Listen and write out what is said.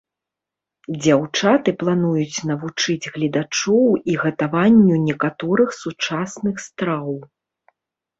Дзяўчаты плануюць навучыць гледачоў і гатаванню некаторых сучасных страў.